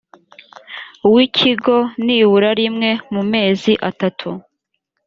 w ikigo nibura rimwe mu mezi atatu